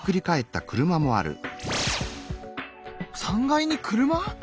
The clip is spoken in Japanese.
３階に車！？